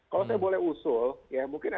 kalau saya boleh usul ya mungkin